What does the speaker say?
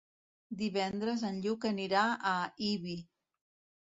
Divendres en Lluc anirà a Ibi.